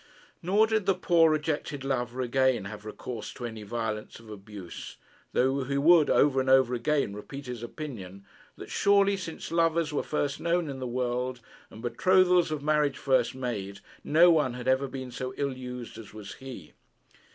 Nor did the poor rejected lover again have recourse to any violence of abuse, though he would over and over again repeat his opinion that surely, since lovers were first known in the world, and betrothals of marriage first made, no one had ever been so ill used as was he.